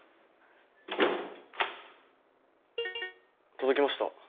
届きました。